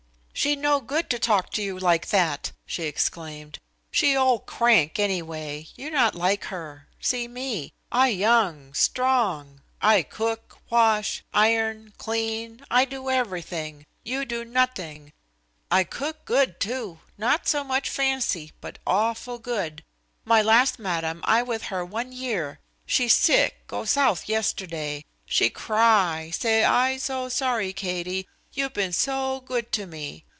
"She no good to talk to you like that," she exclaimed. "She old crank, anyway. You not like her. See me I young, strong; I cook, wash, iron, clean. I do everything. You do notting. I cook good, too; not so much fancy, but awful good. My last madam, I with her one year. She sick, go South yesterday. She cry, say 'I so sorry, Katie; you been so good to me.'